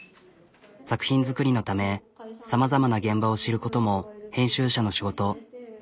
作品作りのためさまざまな現場を知ることも編集者の仕事。